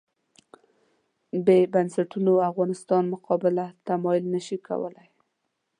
بې بنسټونو افغانستان مقابله تمویل نه شي کولای.